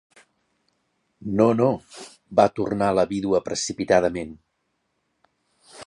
"No, no", va tornar la vídua precipitadament.